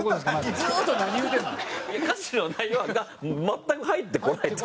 歌詞の内容が全く入ってこないんだよね。